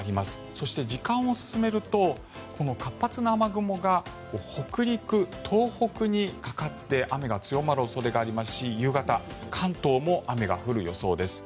そして、時間を進めるとこの活発な雨雲が北陸、東北にかかって雨が強まる恐れがありますし夕方、関東も雨が降る予想です。